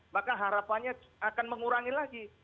maka harapannya akan mengurangi lagi